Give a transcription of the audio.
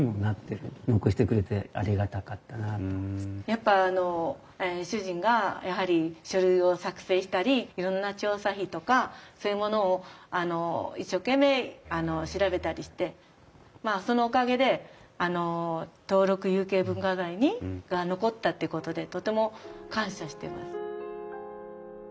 やっぱ主人がやはり書類を作成したりいろんな調査費とかそういうものを一生懸命調べたりしてまあそのおかげであの登録有形文化財に残ったっていうことでとても感謝してます。